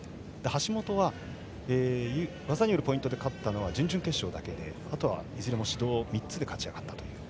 橋本は技によるポイントで勝ったのは準々決勝だけであとはいずれも指導３つで勝ち上がったという。